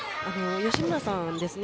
吉村さんですね。